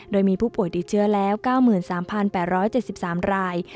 โดยมีผู้ป่วยติดเชื้อแล้ว๙๓๘๗๓ราย